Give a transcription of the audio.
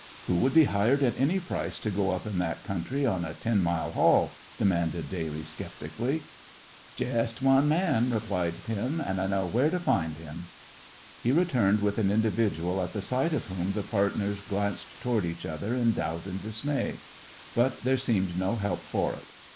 "Who would be hired at any price to go up in that country on a ten mile haul?" demanded Daly, sceptically. "Jest one man," replied Tim, "an' I know where to find him." He returned with an individual at the sight of whom the partners glanced toward each other in doubt and dismay. But there seemed no help for it.